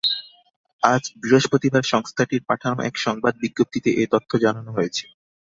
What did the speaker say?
আজ বৃহস্পতিবার সংস্থাটির পাঠানো এক সংবাদ বিজ্ঞপ্তিতে এ তথ্য জানানো হয়েছে।